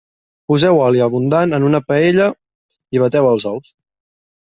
Poseu oli abundant en una paella i bateu els ous.